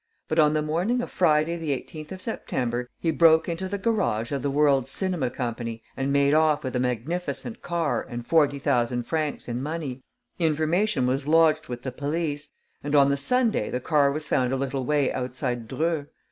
But, on the morning of Friday the 18th of September, he broke into the garage of the World's Cinema Company and made off with a magnificent car and forty thousand francs in money. Information was lodged with the police; and on the Sunday the car was found a little way outside Dreux.